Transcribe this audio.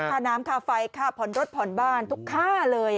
ค่าน้ำค่าไฟค่าผ่อนรถผ่อนบ้านทุกค่าเลย